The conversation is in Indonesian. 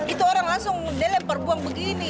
itu orang langsung melempar bom begini